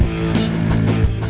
saya akan menemukan mereka